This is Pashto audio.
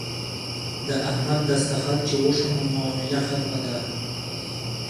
د احمد دستخط چې وشو نو معامله ختمه ده.